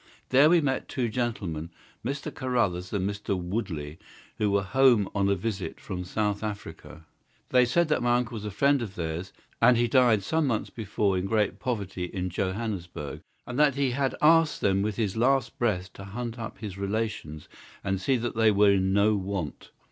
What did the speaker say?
There we met two gentlemen, Mr. Carruthers and Mr. Woodley, who were home on a visit from South Africa. They said that my uncle was a friend of theirs, that he died some months before in great poverty in Johannesburg, and that he had asked them with his last breath to hunt up his relations and see that they were in no want.